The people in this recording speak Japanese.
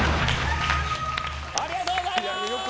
ありがとうございます！